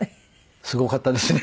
すごかったですね